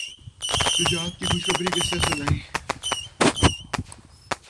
Catalan